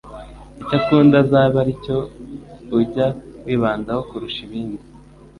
icyo akunda azabe aricyo ujya wibandaho kurusha ibindi.